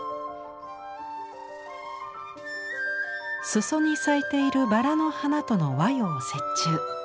裾に咲いているバラの花との和洋折衷。